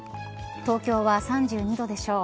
東京は３２度でしょう。